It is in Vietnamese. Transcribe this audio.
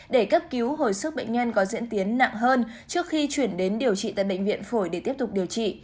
để cấp cứu hồi sức bệnh nhân có diễn tiến nặng hơn trước khi chuyển đến điều trị tại bệnh viện phổi để tiếp tục điều trị